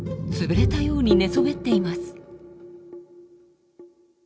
潰れたように寝そべっています。